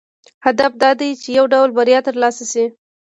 هدف دا دی چې یو ډول بریا ترلاسه شي.